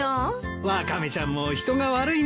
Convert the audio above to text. ワカメちゃんも人が悪いなあ。